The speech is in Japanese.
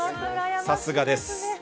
さすがです。